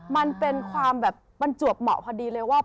มันเป็นความแบบบรรจวบเหมาะพอดีเลยว่า